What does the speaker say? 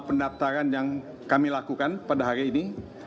pendaftaran yang kami lakukan pada hari ini